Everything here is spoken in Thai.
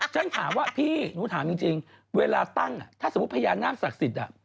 ฉันถามว่าพี่หนูถามจริงเวลาตั้งถ้าสมมุติพญานาคศักดิ์สิทธิ์